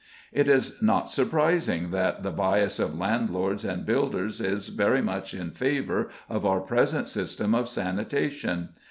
It is not surprising that the bias of landlords and builders is very much in favour of our present system of Sanitation.